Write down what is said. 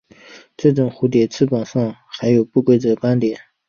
这种蝴蝶翅膀上的还有不规则斑点。